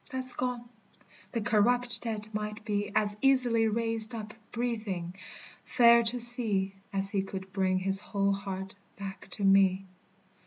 That's gone. The corrupt dead might be As easily raised up, breathing, fair to see, As he could bring his whole heart back to me.